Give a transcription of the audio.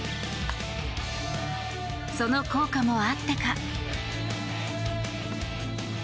その効果もあってか。